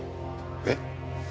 えっ？